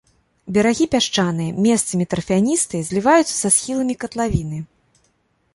Берагі пясчаныя, месцамі тарфяністыя, зліваюцца са схіламі катлавіны.